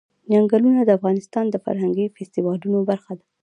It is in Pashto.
چنګلونه د افغانستان د فرهنګي فستیوالونو برخه ده.